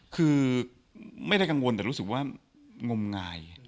คือไม่ได้กังวลแต่รู้สึกว่างมงาย